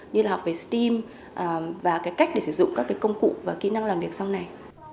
như là học về steam và cái cách để sử dụng các cái công cụ và kỹ năng làm việc sau này